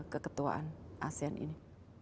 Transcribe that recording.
keketuaan asean ini